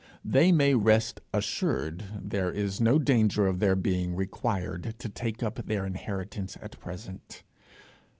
they may rest assured there is no danger of their being required to take up their inheritance at present.